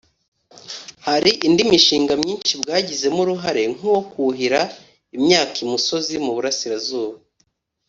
hari indi mishinga myinshi bwagizemo uruhare nk’uwo kuhira imyaka imusozi mu Burasirazuba